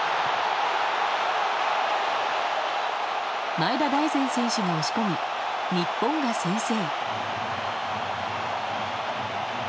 前田大然選手が押し込み日本が先制。